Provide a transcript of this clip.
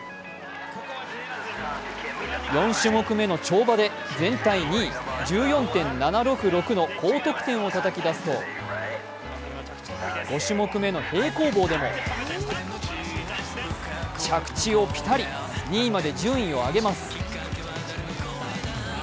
４種目目の跳馬で全体２位、１４．７６６の高得点をたたき出すと５種目めの平行棒でも着地をぴたり、２位まで順位を上げます。